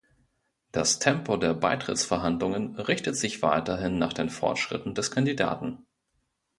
Das Tempo der Beitrittsverhandlungen richtet sich weiterhin nach den Fortschritten des Kandidaten.